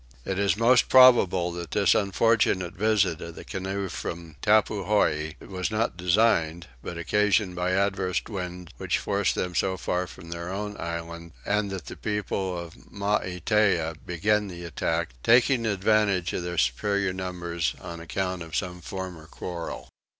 It is most probable that this unfortunate visit of the canoe from Tappuhoi was not designed but occasioned by adverse winds which forced them so far from their own island, and that the people of Maitea began the attack, taking advantage of their superior numbers, on account of some former quarrel.